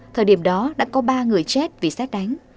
thời điểm đó đã có ba người chết vì xét đánh